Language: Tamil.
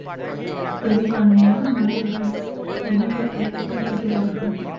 பெரும்பான்மையான மனிதர்கள் இன்பத்தை விரும்புகிறார்கள்.